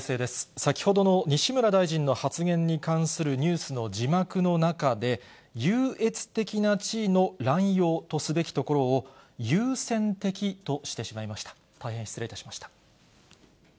先ほどの西村大臣の発言に関するニュースの字幕の中で、優越的な地位の乱用とすべきところを、優先的としてしまいました。